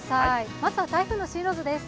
まずは台風の進路図です。